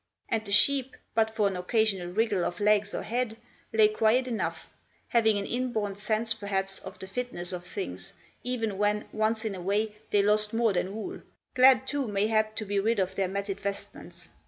And the sheep, but for an occasional wriggle of legs or head, lay quiet enough, having an inborn sense perhaps of the fitness of things, even when, once in a way, they lost more than wool; glad too, mayhap, to be rid of their matted vestments.